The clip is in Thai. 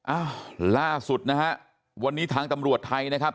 อ้าวล่าสุดนะฮะวันนี้ทางตำรวจไทยนะครับ